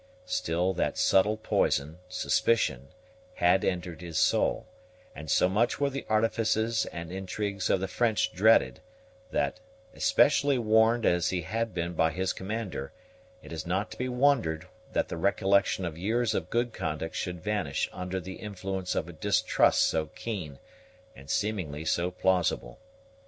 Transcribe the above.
Still that subtle poison, suspicion, had entered his soul; and so much were the artifices and intrigues of the French dreaded, that, especially warned as he had been by his commander, it is not to be wondered that the recollection of years of good conduct should vanish under the influence of a distrust so keen, and seemingly so plausible.